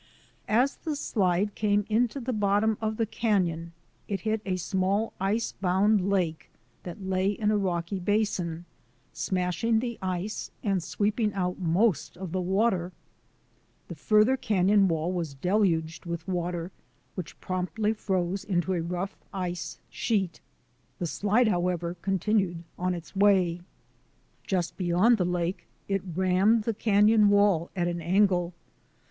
As the slide came into the bottom of the canon it hit a small ice bound lake that lay in a rocky basin, smashing the ice and sweeping out most of the water. The farther canon wall was deluged with water which promptly froze in a rough ice sheet. The slide, however, continued on its way. Just beyond the lake it rammed the canon wall at an angle.